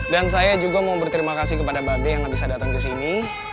dan saya juga mau berterima kasih kepada bade yang bisa datang ke sini